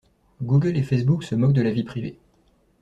Google et facebook se moquent de la vie privée.